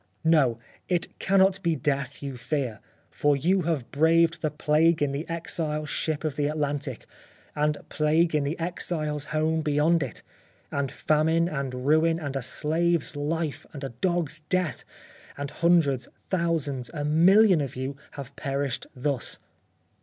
" No ! it cannot be death you fear ; for you have braved the plague in the exile ship of the 55 The Life of Oscar Wilde Atlantic, and plague in the exile's home beyond it ; and famine and ruin, and a slave's life, and a dog's death ; and hundreds, thousands, a million of you have perished thus.